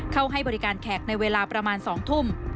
ให้บริการแขกในเวลาประมาณ๒ทุ่ม